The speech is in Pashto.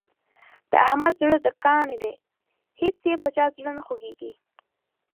د احمد زړه د کاڼي دی هېڅ یې په چا زړه نه خوږېږي.